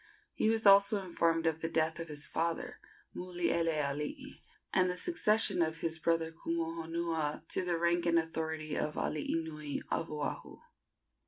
He was also informed of the death of his father, Mulielealii, and the succession of his brother Kumuhonua to the rank and authority of alii nui of Oahu.